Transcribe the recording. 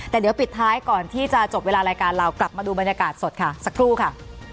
แต่เดี๋ยวปิดท้ายก่อนที่จะจบเวลารายการเรากลับมาดูบรรยากาศสดค่ะสักครู่ค่ะ